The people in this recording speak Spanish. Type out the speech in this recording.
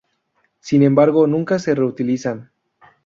Sin embargo nunca se reutilizan.